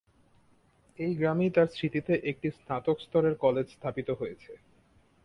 এই গ্রামেই তার স্মৃতিতে একটি স্নাতক স্তরের কলেজ স্থাপিত হয়েছে।